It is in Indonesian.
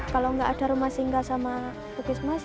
kalau gak ada rumah singgal sama puskesmas